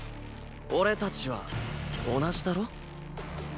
俺たちは同じだろ。